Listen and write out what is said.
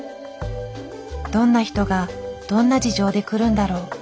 どんな人がどんな事情で来るんだろう。